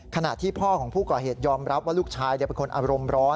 ขณะที่พ่อของผู้ก่อเหตุยอมรับว่าลูกชายเป็นคนอารมณ์ร้อน